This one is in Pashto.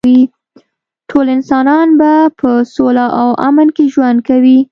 ټول انسانان به په سوله او امن کې ژوند کوي